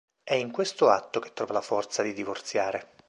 È in questo atto che trova la forza di divorziare.